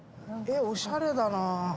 えっおしゃれだな。